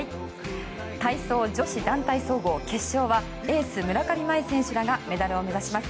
体操女子団体総合決勝はエース、村上茉愛選手らがメダルを目指します。